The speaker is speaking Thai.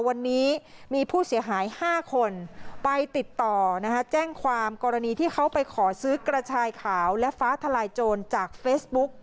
วันนี้มีผู้เสียหาย๕คนไปติดต่อแจ้งความกรณีที่เขาไปขอซื้อกระชายขาวและฟ้าทลายโจรจากเฟซบุ๊ก